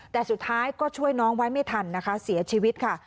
แต่สุดท้ายก็ช่วยน้องไว้ไม่ทันนะคะเสียชีวิตค่ะ